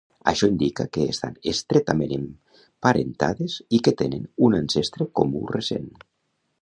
Això indica que estan estretament emparentades i que tenen un ancestre comú recent.